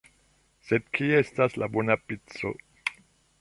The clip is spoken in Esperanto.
Sed kie estas la bona pico?